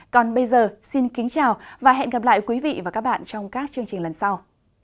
còn bây giờ xin kính chào và hẹn gặp lại các bạn trong các chương trình lần sau